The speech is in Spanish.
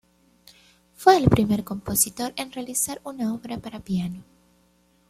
Fue el primer compositor en realizar una obra para piano.